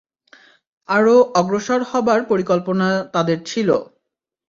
আরো অগ্রসর হবার পরিকল্পনা তাদের ছিল।